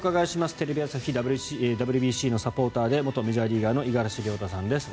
テレビ朝日ＷＢＣのサポーターで元メジャーリーガーの五十嵐亮太さんです